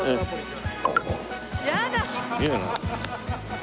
やだ！